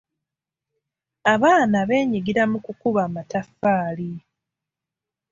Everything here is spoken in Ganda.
Abaana beenyigira mu kukuba amataffaali.